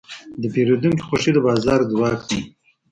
د پیرودونکي خوښي د بازار ځواک دی.